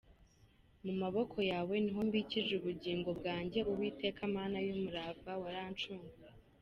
Mu maboko yawe ni ho mbikije ubugingo bwanjye, Uwiteka Mana y’umurava, warancunguye.